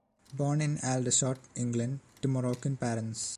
Born in Aldershot, England, to Moroccan parents.